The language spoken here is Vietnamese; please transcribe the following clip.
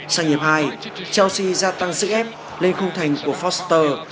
sau hiệp hai chelsea gia tăng sức ép lên khung thành của foster